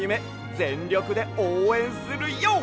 ぜんりょくでおうえんするＹＯ！